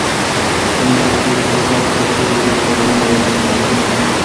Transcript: د ځمکې پر سر تر ټولو بهترین ځایونه جوماتونه دی .